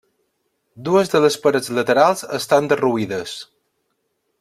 Dues de les parets laterals estan derruïdes.